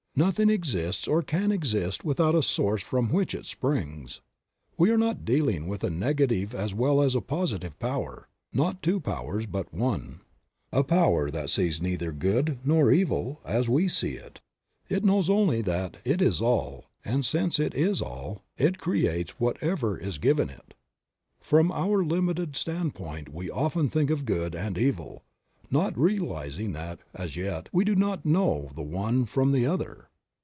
Nothing exists or can exist without a source from which it springs. We are not dealing with a negative as well as a positive Power — not two powers but one ; a power that sees neither good nor evil, as we see it. It knows only that it is all, and since it is all, it creates whatever is given it. From our 10 Creative Mind. limited standpoint we often think of good, and evil; not realizing that, as yet, we do not know the one from the other.